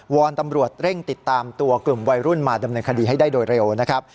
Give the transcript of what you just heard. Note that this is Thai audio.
อนตำรวจเร่งติดตามตัวกลุ่มวัยรุ่นมาดำเนินคดีให้ได้โดยเร็วนะครับ